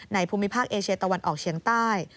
ภูมิภาคเอเชียตะวันออกเฉียงใต้